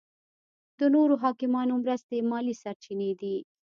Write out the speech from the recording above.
د نورو حاکمانو مرستې مالي سرچینې دي.